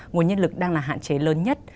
nguồn nhân lực đang là hạn chế lớn nhất